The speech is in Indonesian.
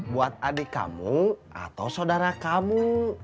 buat adik kamu atau saudara kamu